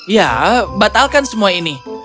ya batalkan semua ini